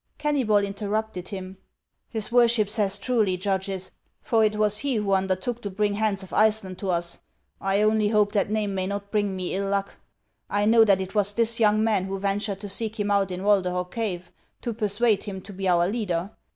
Kennybol interrupted him :" His worship says truly, judges, for it was he who undertook to bring Hans of Ice land to us ; I only hope that name may not bring me ill luck. I know that it was this young man who ventured to seek him out in Walderhog cave, to persuade him to be our leader.